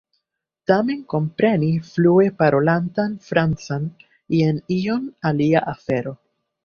Tamen kompreni flue parolatan Francan jen iom alia afero.